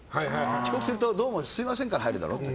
遅刻するとどうもすみませんから入るだろって。